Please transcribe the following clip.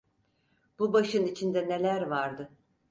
Bu başın içinde neler vardı?